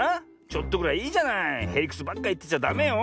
ちょっとぐらいいいじゃない？へりくつばっかいってちゃダメよ。